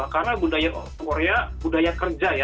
karena budaya korea budaya kerja ya